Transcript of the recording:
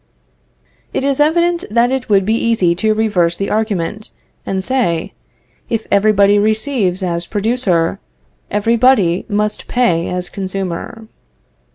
It is evident that it would be easy to reverse the argument and say: If every body receives as producer, every body must pay as consumer.